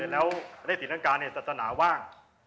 แล้วประเทศศรีลังกาเนี่ยศาสนาว่าง